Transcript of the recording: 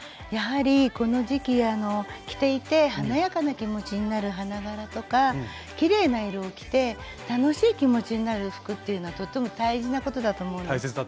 やはりこの時期着ていて華やかな気持ちになる花柄とかきれいな色を着て楽しい気持ちになる服っていうのはとっても大事なことだと思うんです。